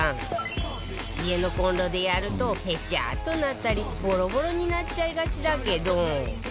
家のコンロでやるとペチャッとなったりボロボロになっちゃいがちだけど